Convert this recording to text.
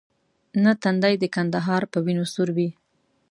نه تندی د کندهار په وینو سور وو.